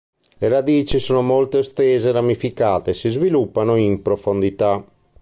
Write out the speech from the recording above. Le radici sono molto estese e ramificate e si sviluppano in profondità.